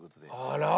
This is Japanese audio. あら？